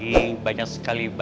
sebanyak lima ratus ribu